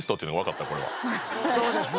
そうですね。